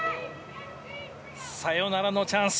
サヨナラのチャンス。